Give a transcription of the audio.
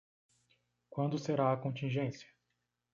Quando será a contingência?